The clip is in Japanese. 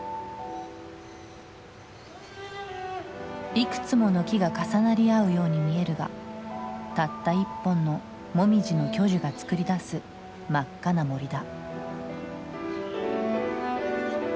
いくつもの木が重なり合うように見えるがたった一本のモミジの巨樹が作り出す真っ赤な森だ。